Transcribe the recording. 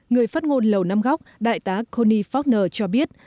người phát ngôn lầu năm góc đại tá connie faulkner cho biết